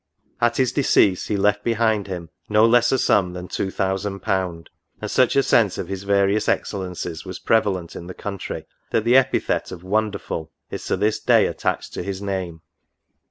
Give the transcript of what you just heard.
At his decease he left behind him no less a sum than £2000. and such a sense of his various excel lences was prevalent in the country, that the epithet of WONDERFUL is to this day attached to his name.